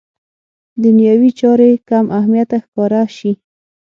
دنیوي چارې کم اهمیته ښکاره شي.